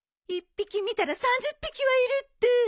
１匹見たら３０匹はいるって。